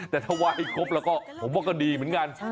แต่ถ้าว่าให้ครบแล้วก็ผมว่าก็ดีเหมือนกัน